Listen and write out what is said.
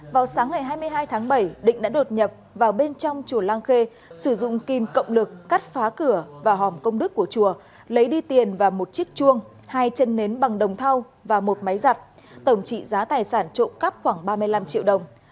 vào sáng ngày hai mươi hai tháng bảy định đã đột nhập vào bên trong chùa lang khê sử dụng kim cộng lực cắt phá cửa và hòm công đức của chùa lấy đi tiền và một chiếc chuông hai chân nến bằng đồng thau và một máy giặt tổng trị giá tài sản trộm cắp khoảng ba mươi năm triệu đồng